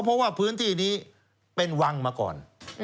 เพราะว่าพื้นที่นี้เป็นวังมาก่อน